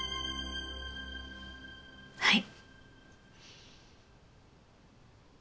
はい。